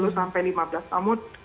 sampai lima belas cm